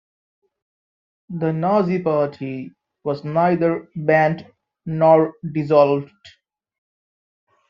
The Nazi party was neither banned nor dissolved.